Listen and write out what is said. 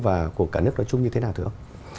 và của cả nước nói chung như thế nào thưa ông